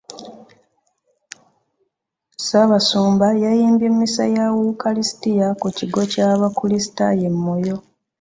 Ssaabasumba yayimbye mmisa ya wukalisitiya ku kigo ky'abakulisitaayo e Moyo.